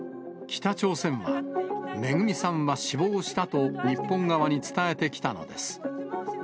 北朝鮮は、めぐみさんは死亡したと、日本側に伝えてきたのです。